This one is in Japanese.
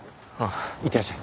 いってらっしゃい。